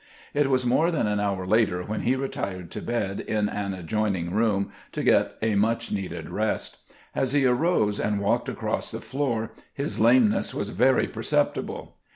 It was more than an hour later when he retired to bed in an adjoining room to get a much needed rest. As he arose and walked across the floor his lameness was very perceptible.